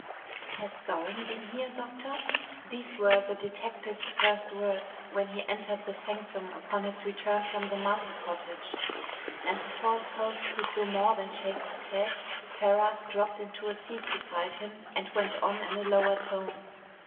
"Has Doran been here, doctor?" These were the detective's first words when he entered the sanctum upon his return from the Marcy cottage, and before his host could do more than shake his head, Ferrars dropped into a seat beside him and went on in a lower tone.